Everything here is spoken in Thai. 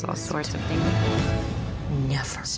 ไม่ได้สังเกตุภาพในล้วงชั้น